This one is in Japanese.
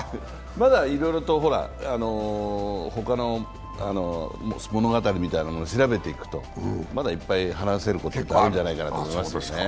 まだいろいろと他の物語みたいなものを調べていくとまだいっぱい、話せること結構あるんじゃないかと思いますね。